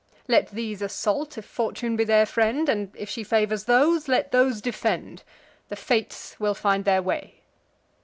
Let these assault, if Fortune be their friend; And, if she favours those, let those defend: The Fates will find their way."